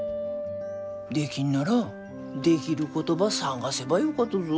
できんならできることば探せばよかとぞ。